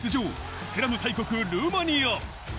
スクラム大国ルーマニア。